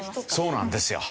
そうなんですよ。